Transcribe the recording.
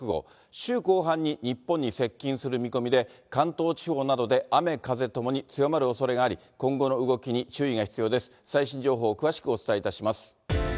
週後半に日本に接近する見込みで、関東地方などで雨、風ともに強まるおそれがあり、こんにちは。